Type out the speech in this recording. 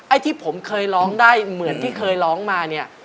ที่ผมเคยร้องได้เหมือนที่เคยร้องมาเนี่ย